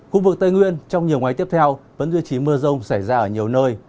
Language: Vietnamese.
khu vực tây nguyên trong nhiều ngày tiếp theo vẫn duy trì mưa rông xảy ra ở nhiều nơi